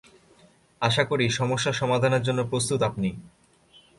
আশা করি, সমস্যা সমাধানের জন্য প্রস্তুত আপনি।